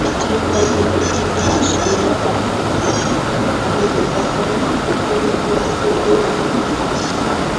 তাহারা চিরকাল প্রকৃতির দাস হইয়া থাকিবে, কখনই ইন্দ্রিয়কে অতিক্রম করিতে পারিবে না।